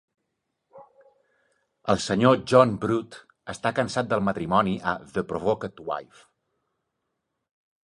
El senyor John Brute està cansat del matrimoni a "The Provoked Wife".